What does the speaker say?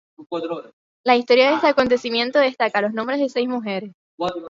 La historia de este acontecimiento destaca los nombres de seis mujeres.